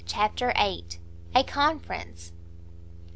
CHAPTER viii. A CONFERENCE.